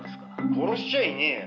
「殺しちゃいねえよ」